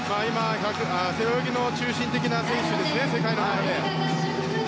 背泳ぎの中心的な選手ですね、世界の中で。